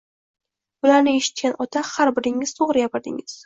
Bularni eshitgan ota Har biringiz to`g`ri gapirdingiz